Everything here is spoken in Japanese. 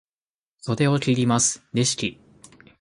袖を切ります、レシキ。